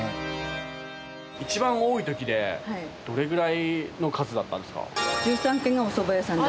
一番多い時でどれぐらいの数だったんですか？